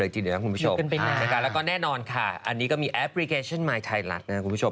ทุกวันน่าบอกคุณผู้ชม